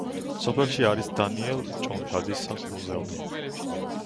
სოფელში არის დანიელ ჭონქაძის სახლ-მუზეუმი.